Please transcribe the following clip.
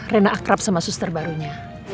rena akrab sama suster barunya